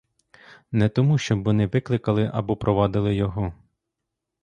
Не тому, щоб вони викликали або провадили його.